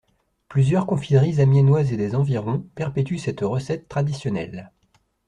Plusieurs confiseries amiénoises et des environs perpétuent cette recette traditionnelle.